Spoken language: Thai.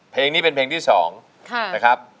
เพลงนี้เป็นเพลงที่๒นะครับ